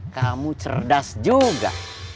kamu cerdas juga